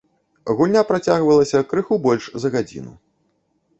Гульня працягвалася крыху больш за гадзіну.